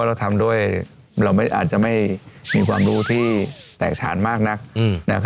เราอาจจะไม่มีความรู้ที่แตกฉานมากนัก